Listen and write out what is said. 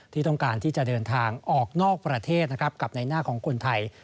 ที่ต้องการที่จะเดินทางออกนอกประเทศนะครับกับในหน้าของคนไทย